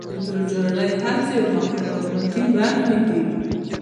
د جور جارې هڅې مقدماتي برخي دي.